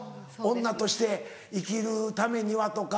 女として生きるためにはとか。